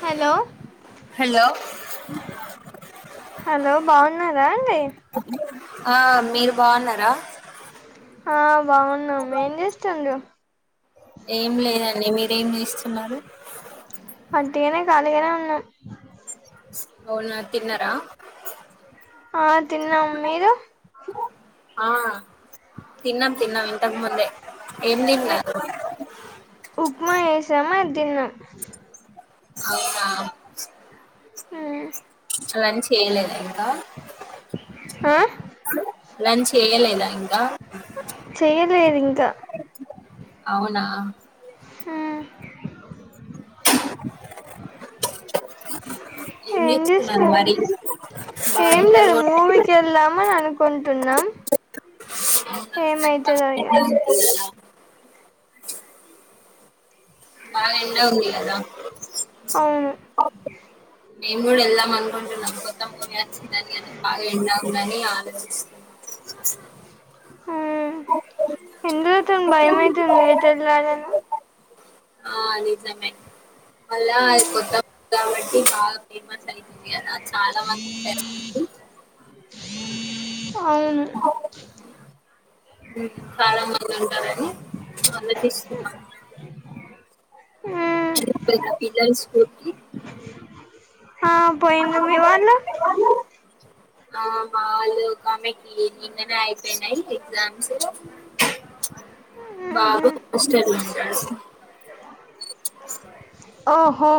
Hello hello hello బాన్నారా అండి ఆ మీరు బాగున్నారా ఆ బాగున్నాము ఏం చేస్తుండ్రు ఏం లేదండి మీరేం చేస్తున్నారు ఉటిగనే కాాలిగనే ఉన్నా అవునా తిన్నారా ఆ తిన్నం మీరు ఆ తిన్నాం తిన్నాం ఇంతకు ముందే ఏం ఏ తిన్నారు ఉప్మా చేశామా అది తిన్నాం అవునా హ్మ్ లంచ్ చేయలేద ఇంకా ఆ లంచ్ చేయలేదా ఇంకా చెయ్యలేదు ఇంకా అవునా ఏం ఏం చేస్తున్నారు చేస్తా మరి బాగా ఏం ఎండలు లేదు కూడా మూవీకి వెళ్దాం అని అనుకుంటున్నాం అవునా, కానీ ఏమైతాదో బాగా ఇగ ఎండ ఉంది కదా బాగా ఎండా ఉందికదా అవును నేను కూడా వెళ్దాం అనుకుంటున్నా కొత్త మూవీ వచ్చింది అని కాని బాగా ఎండలు ఉనాయి అని ఆలోచిస్తున్నా మ్మ్మ్మ్ ఎండలతోని భయమైతుంది ఎటు ఎల్లలన్న ఆ నిజమే మళ్ళ అది కొత్త మూవీ కాబట్టి బాగా ఫేమస్ అయితుంది కదా చాలా మంది ఉంటారు అవును చాలా మంది ఉంటారుని చళా తీస్తు ఎల్లిపోయారు పిల్లలు స్కూల్ కి ఆ పోయింది మీ వాళ్లు ఆ మావాల్లు కమింగ్ ఇ నిన్ననే అయిపోయినయి ఎక్సామ్స్ ఆహా బాబు హాస్టల్లో హూహో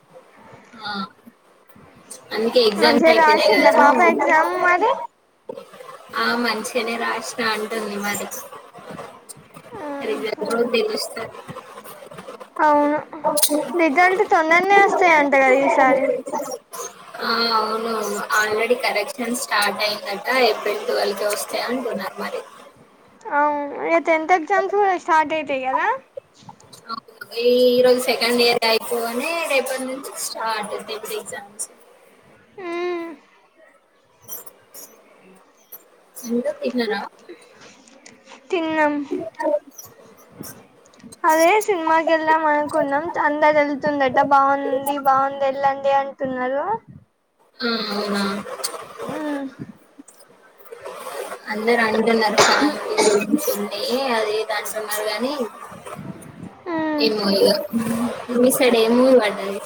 ఆ అందుకే ఎగ్జామ్స్ మంచిగా అయిపోయినై రాసిందా గదా పాప ఎగ్జామ్ మరి ఆ మంచిగానే రాసినా అంటుంది మరి [inaudible] రిజల్ట్ ఆహా కూడా దెలుస్తుంది అవును రిజల్ట్ తొందరనే వస్తాయింట కదా ఈసారి ఆ అవును అవును ఆల్రెడీ కరెక్షన్స్ స్టార్ట్ అయిందట్ట ఏప్రిల్ ట్వెల్కే వస్తాయి అనుకున్నారు మరి అవును టెన్త్ ఎగ్జామ్స్ కూడా స్టార్ట్ అయితాయి గదా అయిపోనే రేపటి నుంచి స్టార్ట్ అయి ఇప్పుడు ఎగ్జామ్స్ ఊ ఇంక తిన్నరా తిన్నాం అదే సినిమాకి వెళ్ళాం అనుకున్నాం అంతా వెళ్తుందట బాగుంది బాగుంది వెళ్ళం ఏ అంతున్నరు ఆ అవునా అందరు అంటున్న [unintelligible] రు ఏ అదే దాస్తూన్నరు గానీ మ్మ్ ఏమఇగ మీ సైడ ఏ మూవి పడ్డది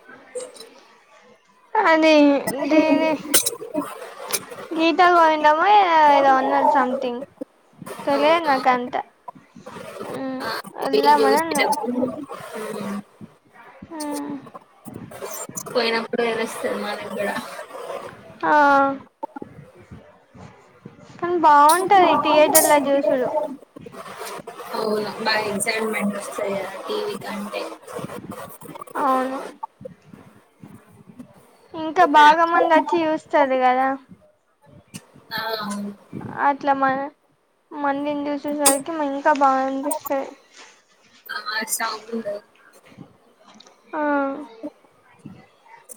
[unintelligible] అదే దీది గీత గోవిందమో ఏ అదేదో ఉన్నది సంథింగ్ తెలియదు అవునా నా కంత [unintelligible] ఊ పోయినప్పుడు వది వస్తురు మాదిగ్ కూడా ఆ కానీ బాగుంటది థియేటర్ల చూసుడు ఓ బాయ్ సర్లెండి స ఈటీవి అవును ఇంకా తిన్నారా బాగా మంది వచ్చి చూస్తది కదా ఆ అవును అట్లా మ మందిని జూసే సరికి ఇంకా బాగా అనిపిస్తది చండ [unintelligible] ఆ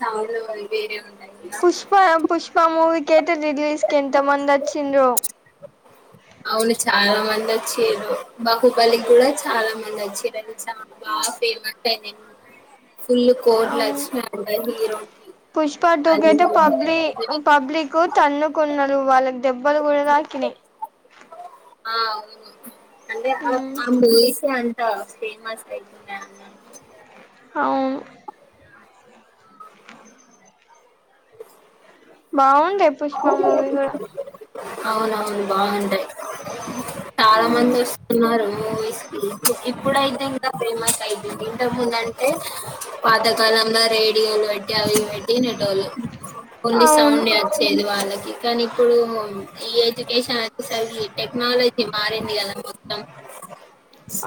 సౌండ్ వేరే ఉంటాయి కదా పుష్ప పుష్ప మూవి కేట రిలీజ్ కెంత మంది వచ్చిన్లో అవును చాలా మంది వచ్చిర్రు బహుబలి కి కూడా చాలా మంది చిర చ బాగా ఫేమస్ అయినయ్ ఫుల్ కోట్లు అవును అచ్చినై అంట హీరోకి పుష్ప టు కి అది అయితే పబ్లి పబ్లిక్ తన్నుకున్నారు వాళ్ళకి దెబ్బలు గుడదకినాయ్ ఆవును అంటే ఆ ఆ [unintelligible] ఇంకా ఫేమస్న్నానా అవు బాగున్ అవునువును బాగుంటయి చాలా మంది వస్తున్నారు మూవీస్ ఇప్పుడు అయితే ఇంకా ఫేమస్ అయితుంది ఇంతకా ముందు అంటే పాతకాలంలో రే డిలు పెట్టి అవి పెట్టి నెటో ఓన్లీ అవును సౌండ్ వచ్చేది వాళ్ళకి కానీ ఇప్పుడు ఈ ఎడ్యుకేషన్ అచ్చసరి ఈ టెక్నాలజీ మారింది కదా మొత్తం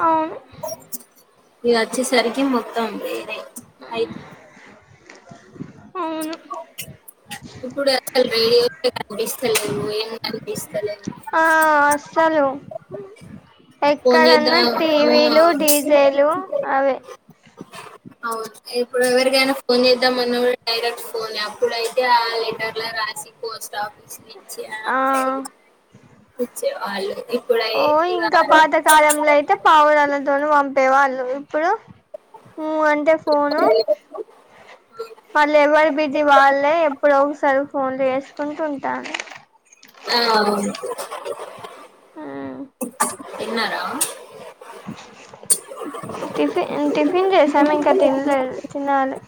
అవును ఇగ వచ్చేసరికి మొత్తం వేరే అవుతుంది అవును ఇప్పుడు అసలు రేడియో కనిపిస్తలేవు ఏం కనిపిస్త ఆ అసలు ఫోన్ ఎక్కడన్నా చేద్దాం టీవీలు ఆ డీజేలు అవే అవును ఇప్పుడు ఎవరికైనా ఫోన్ చేద్దాంమన్న కూడా డైరెక్ట్ ఫోన్ అప్పుడుయితే ఆ లెటర్ల రాసి పోస్ట్ ఆఫీస్ కి ఇచ్చి ఆ ఇచ్చి వాళ్ళు ఓ ఇంకా పాతకాలంలో అయితే పావురాలతోన పంపే వాళ్ళు ఇప్పుడు ఉ అంటే ఫోను మళ్ళ ఎవరి బిజి వాళ్ళే ఇప్పుడో ఒక సెల్ ఫోన్లు చేసుకుంటే ఉంటన్రు తిన్న టిఫిన్ టిఫిన్ చేసాము ఇంకా తినలే తినాలి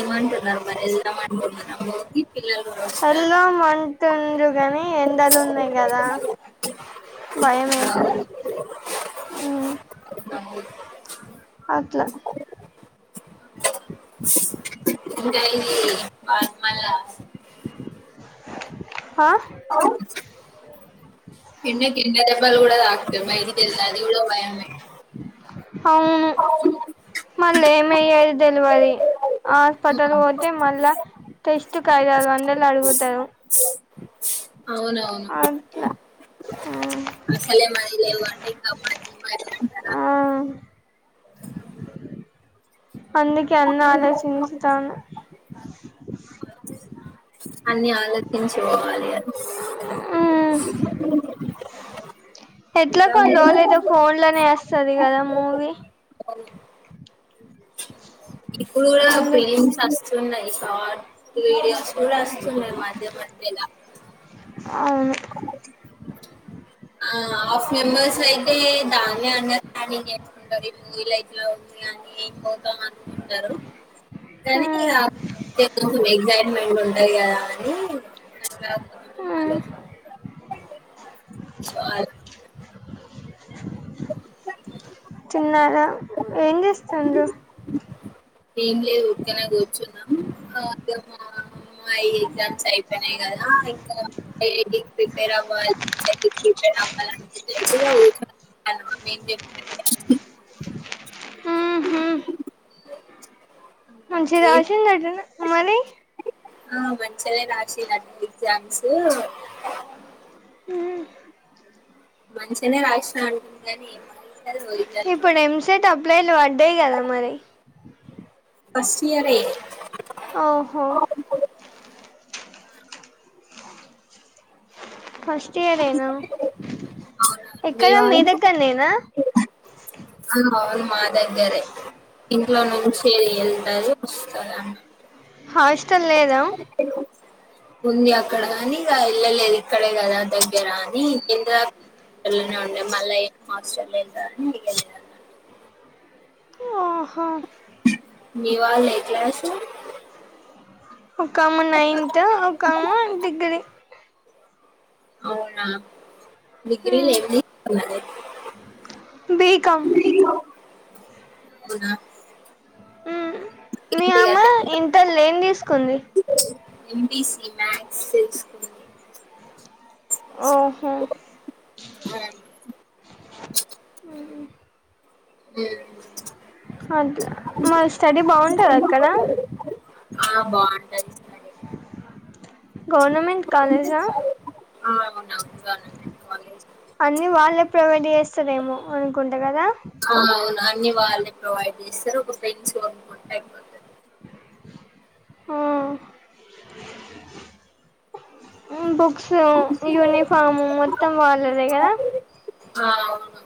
ఏంమంటన్నారు వెళ్దాం మన్నారు మరి పిల్లలు కూడా వస్తారా నిండుగానీ ఎండలు ఉన్నాయి కదా భయం అవుతుంది హ్మ్ అట్లా ఇంకా ఇది [unintelligible] మళ్ళ ఆ ఎండకు ఎండదెబ్బ కూడా తగుతది బయటకి వెళ్తే అది కూడా భయమే అవును మళ్ళీ ఏమయ్యాది తెెలవది హాస్పిటల్ ఉమ్. పోతే మళ్ళా టెస్ట్ ఐదు ఆరు వందలు అడుగుతారు అవునవును ఆ ఆసల మ లే మంట [unintelligible] అందుకి అన్న ఆలో చెంచితాన అన్ని ఆలోచించికోవాలి ఇగ ఉమ్ ఎట్లా కొన్ని రోజులు అయితే ఫోన్ లోనే అస్తది కదా మూవీ ఇప్పుడు కూడా అందు ఫిలిమ్స్ వస్తున్నాయి షార్ట్ వీడియో ఎలా వస్తున్నాయి మాధ్యమధ్యాల అవును ఆ హాఫ్ మెంబర్స్ అయితే దాన్ని అన్న పనింగ్ నేచుకుంటారు ఈ మూవీలోట్లా ఉ ఇగ అని పోతాం అనుకుంటరు కానీ ఇగ తెలుగు ఎగ్జైట్మెంట్ ఉంటయి కదా అని [unintelligible] సో ఆల్ తిన్నారా ఏం చేస్తుంన్రూ ఏం లేదు ఊర్కనే కూర్చున్నాం. [inaudible] ఎగ్జామ్స్ అయిపోయినయి కదా ఇంకా ఐఐటికి ప్రిపేర్ అవ్వాలి. [inaudible] [unintelligible] మంచిగ మీరు రాసిందటనా మరి ఆ మంచిగనే రాసిందట ఎగ్జామ్స్. హ్ మంచిగనే రాసిన అం ఇప్పుడు ఎంసెట్ అప్లైలు పడ్డయి కదా మరి ఫస్ట్ ఇయరే ఓహో అవునా ఫస్ట్ ఇయరేనా ఎక్కడ మీ దగ్గర్నేనా ఆ అవును మా దగ్గరే ఇంట్లో నుంచి ఎళ్తరు వస్తారు అం హాస్టల్ లేదా ఉంది అక్కడ గాని ఇగ ఎళ్ళలేదు ఇక్కడే కదా దగ్గరా అని [inaudible] మళ్ళ ఏం హాస్టల్ వెళ్తదని వెళ్లలే అన్నట్టు ఆహా మీ వాల్ ఏ క్లాసు ఒకామ నైన్త్ ఒకామ డిగ్రీ అవునా డిగ్రీల ఉమ్ ఏం తీస్కున్నది. బీకామ్ బి కమ్ మ్ మీ ఏంటి ఆమ అదే ఇంటర్ల ఏం తీస్కుంది. ఎంపీసీ మ్యాథ్స్ తీసుకుంది ఓహో అట్ల ఉమ్, మా ఉమ్. స్టడీ బాగుంటద అక్కడ ఆ బాగుంటది స్టడీ గవర్నమెంట్ కాలేజా ఆ అవునవును. అన్ని వాళ్ళే ప్రొవైడ్ చేస్తరేమో అనుకుంటా కదా ఆ అవును అన్ని వాళ్ళే ప్రొవైడ్ చేస్తారు ఒక పెన్స్ కొనుక్కుంటే అయిపోతది. ఆ బుక్స్, యూనిఫాం మొత్తం వాళ్ళదే కదా ఆ అవును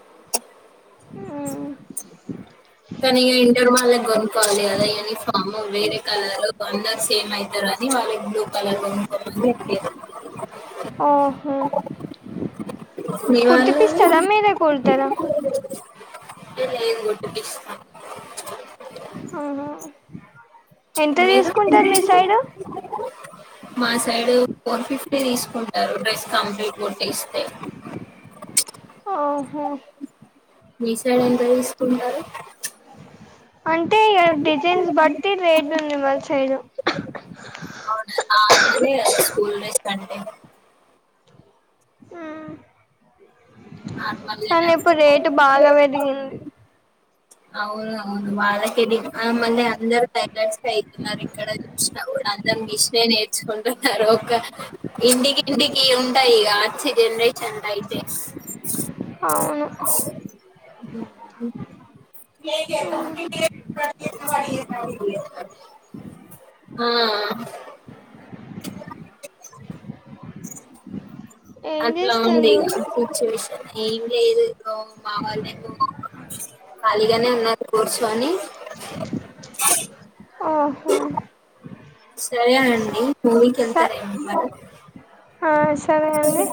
మ్ కనీ ఇంటర్ వాళ్ళక్ కోవాలి కదా యూనిఫాం వేరే కలర్ అందరు సేమ్ అయితరని వాళ్ళకి బ్లూ కలర్ కనుక్కోమన్ [unintelligible] ఓహో మీ వాళ్ళు కుట్టిపిస్తరా మీరే కుడ్తరా ఇంకా లేదు కొట్టిపిస్ ఆహ ఎంత మీరు తీస్కుంటర్ మీ సైడ్ మా సైడ్ ఫోర్ ఫిఫ్టీ తీస్కుంటరు డ్రెస్ కంప్లీట్ కుట్టిస్తే ఓహ మీ సైడ్ ఎంత తీసుకుంటారు అంటే డిజైన్స్ బట్టి రేట్ ఉంది మా సైడ్ అవున్ ఆ మళ్ళీ గంటే గ హ్మ్ నార్మల్గానే కానీ ఇప్పుడు ఉంటది రేటు బాగా పెరిగింది అవును బాగ తిరిగి ఆ మళ్ళీ అందరు స్పైక్ ఉన్నారు ఇక్కడ చూసినా అందరు మిషనే నేర్చుకుంటున్నారు ఒక ఇంటికి ఇంటికి ఉంటాయ్ ఇగ ఆచ్చె జనరేషన్ లో అయితే అవును ఆ ఏం అట్లా ఉంది చేస్తుండ్రు ఇగ సిచ్యువేషన్ ఏం లేదు ఇదిగో మా వాళ్ళేమో ఖాళీగానే ఉన్నారు కూర్చొని ఆ సరే అండి మువీకి స ఎళ్తారేమో కద ఆ సరే అండి